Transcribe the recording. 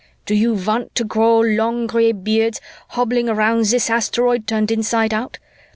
Do you want to grow long gray beards hobbling around this asteroid turned inside out?